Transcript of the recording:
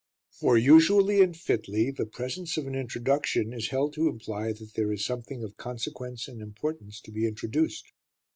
For, usually and fitly, the presence of an introduction is held to imply that there is something of consequence and importance to be introduced.